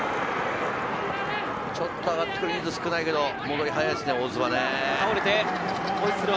ちょっと上がって来る人数少ないけど戻りが速いですね、大津は。